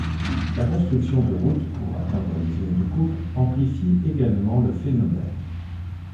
La construction de route pour atteindre les zones de coupes amplifie également le phénomène.